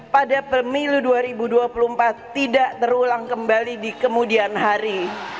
pada pemilu dua ribu dua puluh empat tidak terulang kembali di kemudian hari